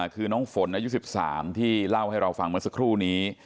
คือน้องฝนอายุ๑๓ที่เล่าให้เราฟังเมื่อสักครู่นี้